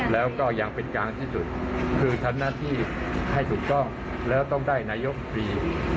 แล้วก็อย่างเป็นกลางที่สุดคือทำหน้าที่ให้ถูกต้องแล้วต้องได้นายกตรี